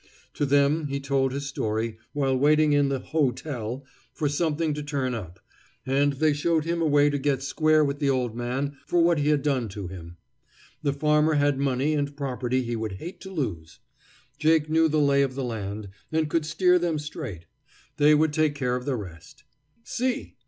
To them he told his story while waiting in the "hotel" for something to turn up, and they showed him a way to get square with the old man for what he had done to him. The farmer had money and property he would hate to lose. Jake knew the lay of the land, and could steer them straight; they would take care of the rest. "See!"